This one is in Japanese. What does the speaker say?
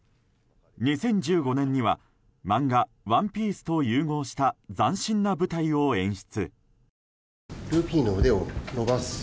２０１５年には漫画「ＯＮＥＰＩＥＣＥ」と融合した斬新な舞台を演出。